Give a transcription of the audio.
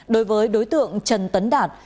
đối với đối tượng trần tấn đạt